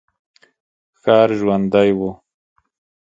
ښار ژوندی و.